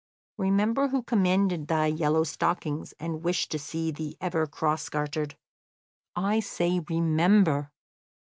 Remember who commended thy yellow stockings, and wished to see thee ever cross gartered I say, remember!